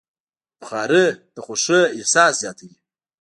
بخاري د خوښۍ احساس زیاتوي.